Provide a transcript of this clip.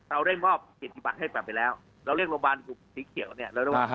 เราเรียกมอบกิจกิจบัตรให้กลับไปแล้วเราเรียกโรงพยาบาลสีเขียวเนี่ยเราเรียกว่าอ่าฮะ